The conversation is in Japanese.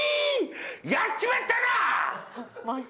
やっちまったな‼